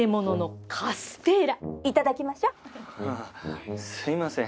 ああすいません。